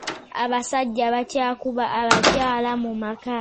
Abasajja bakyakuba abakyala mu maka.